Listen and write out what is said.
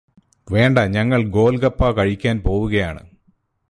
വേണ്ട ഞങ്ങൾ ഗോൽഗപ്പാ കഴിക്കാൻ പോവുകയാണ്